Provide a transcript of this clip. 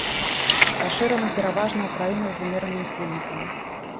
Пашыраны пераважна ў краінах з умераным кліматам.